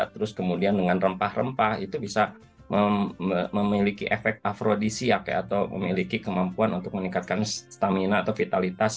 terus kemudian dengan rempah rempah itu bisa memiliki efek afrodisiak atau memiliki kemampuan untuk meningkatkan stamina atau vitalitas